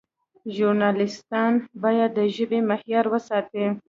ژورنالیستان باید د ژبې معیار وساتي.